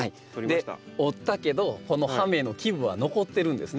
折ったけどこの葉芽の基部は残ってるんですね